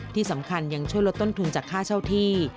ที่สำคัญยังช่วยลดต้นทุนจากค่าเช่าที่